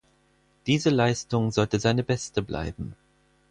Diese Leistung sollte seine beste bleiben.